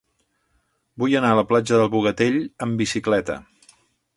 Vull anar a la platja del Bogatell amb bicicleta.